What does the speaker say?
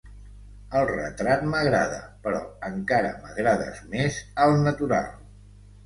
El retrat m'agrada, però encara m'agrades més al natural.